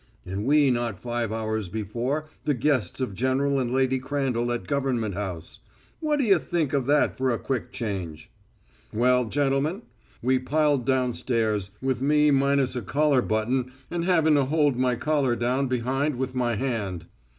And we not five hours before the guests of General and Lady Crandall at Government House. What d'you think of that for a quick change? "Well, gentlemen, we piled down stairs with me minus a collar button and havin' to hold my collar down behind with my hand.